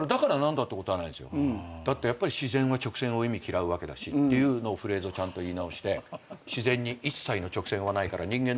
だって自然は直線を忌み嫌うわけだしっていうフレーズを言い直して自然に一切の直線はないから人間の妄想内